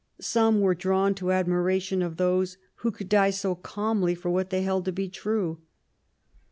Some were drawn to admiration of those who could die so calmly for what they held to be true.